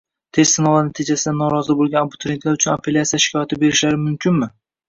Test sinovlari natijasidan norozi bo‘lgan abituriyentlar uchun apellyatsiya shikoyati berishlari mumkinmi?